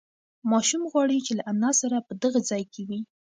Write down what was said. ماشوم غواړي چې له انا سره په دغه ځای کې وي.